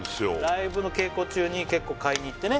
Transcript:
ライブの稽古中に結構買いに行ってね